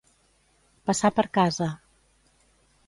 Passar per casa.